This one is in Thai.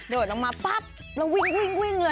โดดลงมันป๊าบแล้ววิ่งเลย